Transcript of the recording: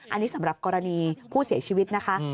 อันนี้สำหรับกรณีผู้เสียชีวิตนะคะ